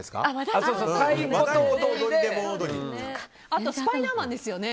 あとスパイダーマンですね。